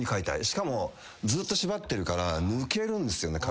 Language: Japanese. しかもずっと縛ってるから抜けるんですよね